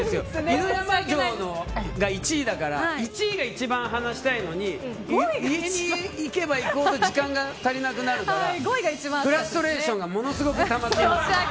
犬山城が１位だから１位が一番話したいのに上に行けばいくほど時間が足りなくなるからフラストレーションがものすごくたまりますね。